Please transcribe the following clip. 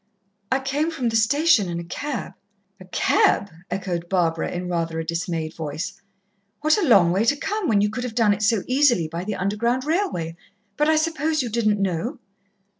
"I came from the station in a cab." "A cab!" echoed Barbara in rather a dismayed voice. "What a long way to come, when you could have done it so easily by the underground railway but I suppose you didn't know?"